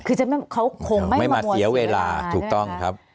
คือจะเขาคงไม่มาเสียเวลาถูกต้องครับ